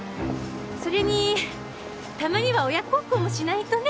それにたまには親孝行もしないとね。